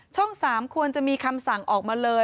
๓ควรจะมีคำสั่งออกมาเลย